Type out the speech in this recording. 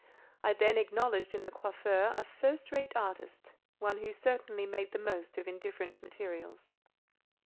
I then acknowledged in the coiffeur a first rate artist—one who certainly made the most of indifferent materials.